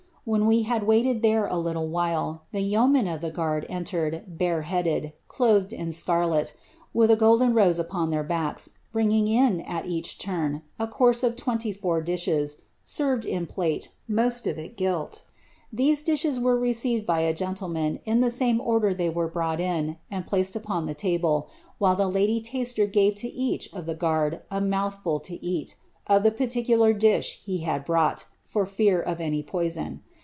When tliey had wailed there a little while, ibe veo mcn of the guard entered, bare headed, clothed in scarlet, with a golden rose upon their backs, bringing in, at each turn, a course of twenty lour dishes, served in plate, most of il gdc; these dishes were received be* gentleman, in the same order they were brought, and placed upon dw table, while the lady lasier gave to each of the guard a mouihrul lo eau of the particular dish he had brought, for fear of any poison.